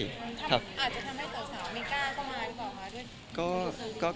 อาจจะทำให้สูตรสาวไม่กล้ากระมานหรือเปล่าคะ